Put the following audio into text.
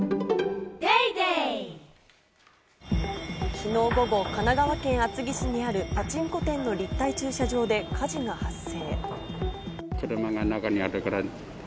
きのう午後、神奈川県厚木市にあるパチンコ店の立体駐車場で火事が発生。